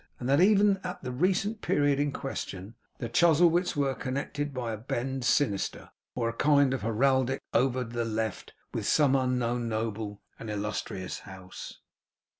and that even at the recent period in question, the Chuzzlewits were connected by a bend sinister, or kind of heraldic over the left, with some unknown noble and illustrious House?